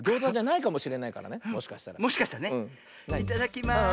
いただきます。